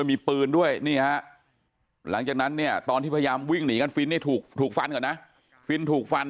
มีปืนด้วยนี่ฮะหลังจากนั้นเนี่ยตอนที่พยายามวิ่งหนีกันฟินนี่ถูกฟันก่อนนะฟินถูกฟัน